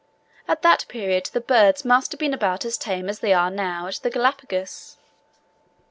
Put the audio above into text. At that period the birds must have been about as tame as they now are at the Galapagos.